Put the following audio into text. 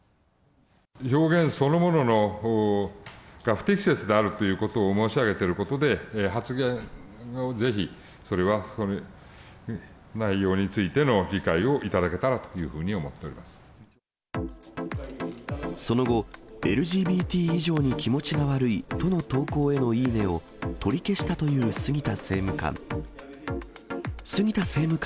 表現そのものが不適切であるということを申し上げていることで、発言の是非、それは内容についての理解をいただけたらというふうに思っておりその後、ＬＧＢＴ以上に気持ちが悪いとの投稿へのいいねを取り消したという杉田政務官。